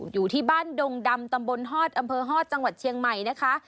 อยู่ที่บ้านดงดำตำบลฮอตอำเภอฮอตจังหวัดเชียงใหม่นะคะ